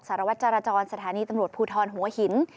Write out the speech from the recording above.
สารวัตรจรจรสถานีตำรวจภูทรหัวหิน